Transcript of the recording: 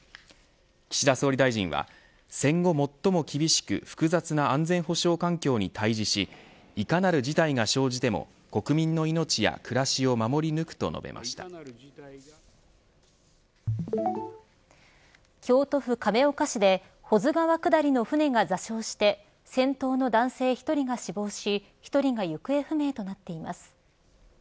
岸田総理大臣は戦後最も厳しく複雑な安全保障環境に対じしいかなる事態が生じても国民の命や暮らしを守り抜くと京都府亀岡市で保津川下りの船が座礁して船頭の男性１人が死亡し１人が行方不明となっています。